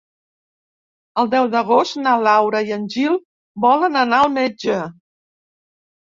El deu d'agost na Laura i en Gil volen anar al metge.